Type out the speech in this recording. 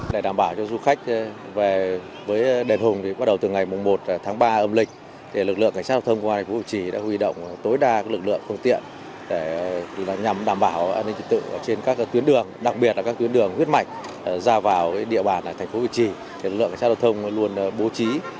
để đảm bảo cho du khách về với đền hùng bắt đầu từ ngày một tháng ba âm lịch lực lượng cảnh sát hợp thông của thành phố hồ chí đã huy động tối đa lực lượng không tiện nhằm đảm bảo an ninh trật tự trên các tuyến đường đặc biệt là các tuyến đường huyết mạnh ra vào địa bàn thành phố hồ chí